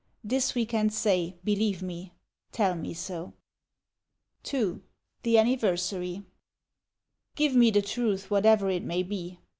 This we can say, — believe me !... Tell mc so!" 11 THE ANNIVERSARY " Give me the truth, whatever it may be.